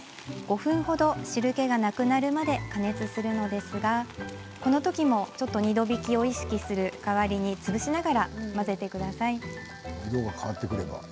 ５分程、汁けがなくなるまで加熱するんですがこの時も２度びきする代わりに潰しながら混ぜてください。